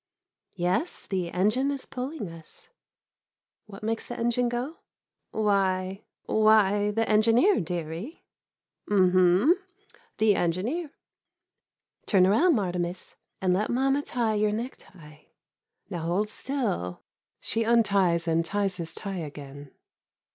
Yes, the engine is pulling us. What makes the engine go? Why — why — the engineer, dearie. Um hum — the engineer. Turn around, Martimas, and let mamma tie your necktie. Now hold still. [She unties and ties his tie again.